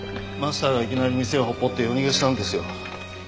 マスターがいきなり店をほっぽって夜逃げしたんですよ。